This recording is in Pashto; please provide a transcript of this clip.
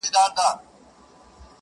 ته دي ټپه په اله زار پيل کړه~